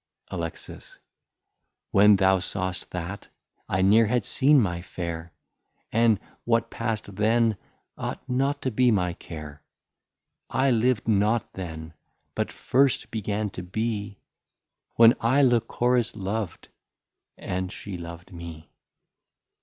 Alex. When thou saw'st that, I ne'r had seen my Fair, And what pass'd then ought not to be my Care; I liv'd not then, but first began to be, When I Lycoris Lov'd, and she Lov'd me.